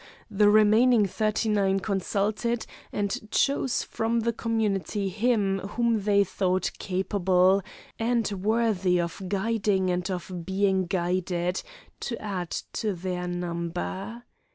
the remaining thirty nine consulted and chose from the community him whom they thought capable, and worthy of guiding and of being guided, to add to their number.